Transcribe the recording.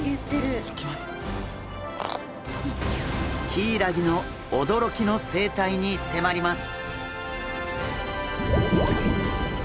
ヒイラギの驚きの生態に迫ります！